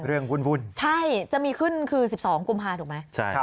เรื่องวุ่นใช่จะมีขึ้นคือ๑๒กุมภาคมถูกไหมใช่ครับ